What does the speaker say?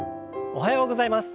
おはようございます。